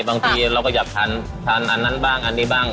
บางทีเราก็อยากทานอันนั้นบ้างอันนี้บ้าง